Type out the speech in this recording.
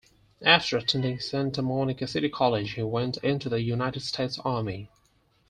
After attending Santa Monica City College, he went into the United States Army.